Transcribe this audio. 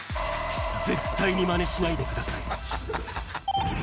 絶対にまねしないでください。